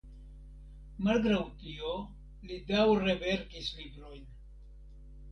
Malgraŭ tio li daŭre verkis librojn.